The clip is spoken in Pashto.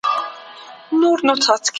که درس واضح وي، زده کوونکی نه سرګردانه کېږي.